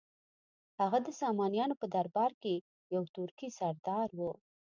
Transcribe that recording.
هغه د سامانیانو په درباره کې یو ترکي سردار و.